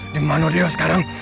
dimana dia sekarang